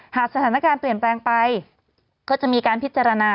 หากสถานการณ์เปลี่ยนแปลงไปก็จะมีการพิจารณา